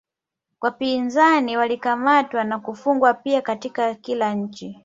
Wapinzani walikamatwa na kufungwa pia Katika kila nchi